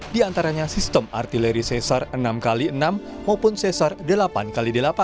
di antaranya sistem artileri sesar enam x enam maupun sesar delapan x delapan